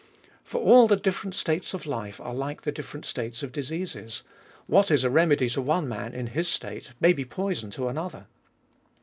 For all the different states of life are like the different states of diseases : what is a remedy to one man, in his state, may be poison to another.